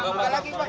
buka lagi pak